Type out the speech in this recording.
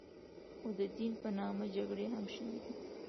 خو د دین په نامه جګړې هم شوې دي.